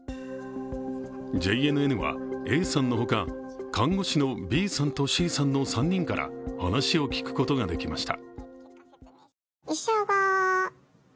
ＪＮＮはＡさんの他、看護師のＢさんとＣさんの３人から話を聞くことができました。